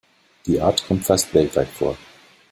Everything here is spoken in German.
Die Art kommt fast weltweit vor.